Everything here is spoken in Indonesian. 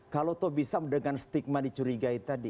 kalau bisa dengan stigma dicurigai tadi